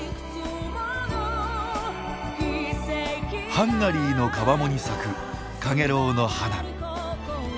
ハンガリーの川面に咲くカゲロウの花。